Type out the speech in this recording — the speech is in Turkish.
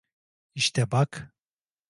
İşte bak…